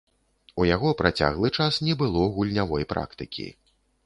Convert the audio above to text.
У яго працяглы час не было гульнявой практыкі.